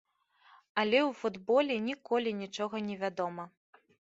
Але ў футболе ніколі нічога не вядома.